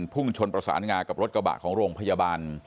พุ่งชนประสานงากับรถกระบะของโรงพยาบาล